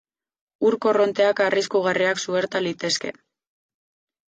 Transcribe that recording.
Ur korronteak arriskugarriak suerta litezke.